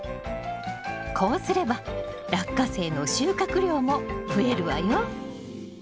こうすればラッカセイの収穫量も増えるわよ。